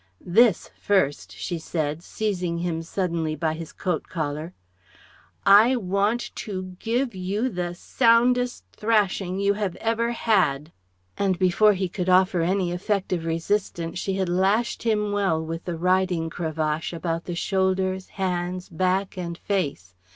"This first," she said, seizing him suddenly by his coat collar. "I want to give you the soundest thrashing you have ever had..." And before he could offer any effective resistance she had lashed him well with the riding cravache about the shoulders, hands, back and face.